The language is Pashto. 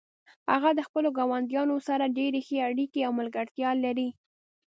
هغه د خپلو ګاونډیانو سره ډیرې ښې اړیکې او ملګرتیا لري